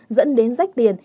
dẫn đến rách tiền